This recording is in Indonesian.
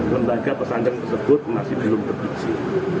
lembaga pesantren tersebut masih belum terdiksi